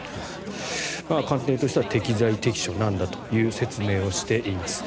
官邸としては適材適所なんだという説明をしています。